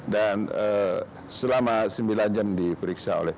dan selama sembilan jam diperiksa oleh pemeriksa kami